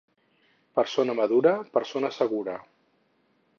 Persona madura, persona segura.